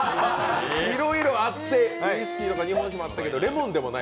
いろいろあって、ウイスキーとか日本酒とかあったけどレモンでもない。